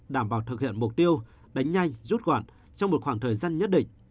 đảm bảo thực hiện mục tiêu đánh nhanh rút gọn trong một khoảng thời gian nhất định